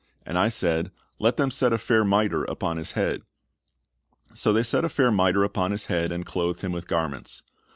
And I said, Let them set a fair miter, upon his head. So they set a fair miter upon his head, and clothed him with garments."